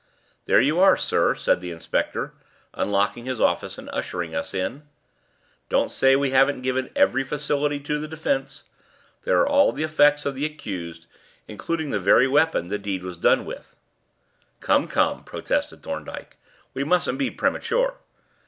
"There you are, sir," said the inspector, unlocking his office, and ushering us in. "Don't say we haven't given every facility to the defence. There are all the effects of the accused, including the very weapon the deed was done with." "Come, come," protested Thorndyke; "we mustn't be premature."